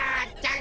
ん？